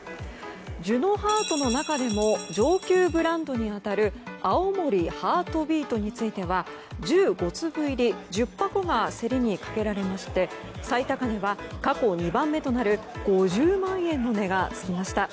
ジュノハートの中でも上級ブランドに当たる青森ハートビートについては１５粒入り１０箱が競りにかけられまして最高値は、過去２番目となる５０万円の値がつきました。